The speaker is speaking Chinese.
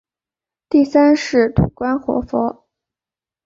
第三世土观活佛。